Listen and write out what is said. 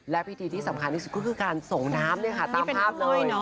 และพิธีที่สำคัญที่สุดก็คือการส่งน้ำตามภาพเลย